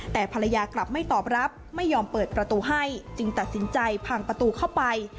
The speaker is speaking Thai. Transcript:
แต่ภรรยากลับไม่ตอบรับไม่ยอมเปิดประตูให้จึงตัดสินใจพังประตูเข้าไป